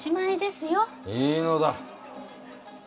いいのだ。